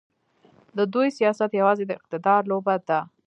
د دوی سیاست یوازې د اقتدار لوبه ده.